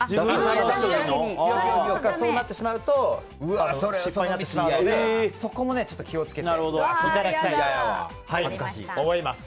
そうなってしまうと失敗になってしまうのでそこも気を付けていただきたいと思います。